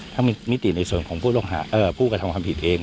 ทั้งมิติในส่วนของผู้หลงหาเอ่อผู้กระทำขันผิดเอง